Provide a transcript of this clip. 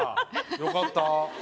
よかった。